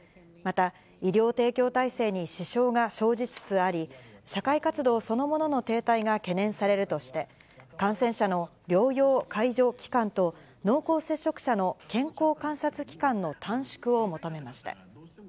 また、医療提供体制に支障が生じつつあり、社会活動そのものの停滞が懸念されるとして、感染者の療養解除期間と、濃厚接触者の健康観察期間の短縮を求めました。